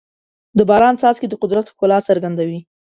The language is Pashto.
د باران څاڅکي د قدرت ښکلا څرګندوي.